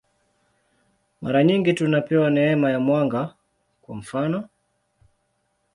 Mara nyingi tunapewa neema ya mwanga, kwa mfanof.